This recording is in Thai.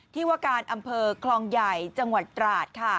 ที่ว่าการอำเภอคลองใหญ่จังหวัดตราดค่ะ